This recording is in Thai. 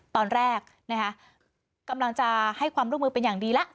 ตอนแรกนะคะกำลังจะให้ความร่วมมือเป็นอย่างดีแล้ว